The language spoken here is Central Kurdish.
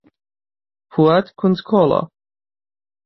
فواد کونجکۆڵە.